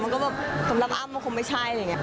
มันก็แบบสำหรับอ้ำก็คงไม่ใช่อะไรอย่างนี้